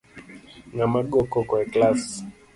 Ng’ama go koko e klass